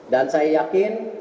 dan saya yakin